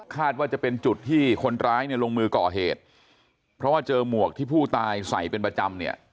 ว่าจะเป็นจุดที่คนร้ายเนี่ยลงมือก่อเหตุเพราะว่าเจอหมวกที่ผู้ตายใส่เป็นประจำเนี่ย